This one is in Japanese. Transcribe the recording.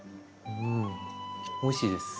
うんおいしいです。